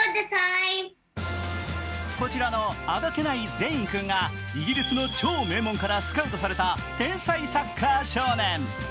こちらのあどけないゼイン君がイギリスの超名門からスカウトされた天才サッカー少年。